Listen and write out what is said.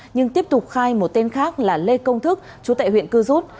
nhưng tiếp tục khai một tên khác là lê công thức chú tại huyện cư rút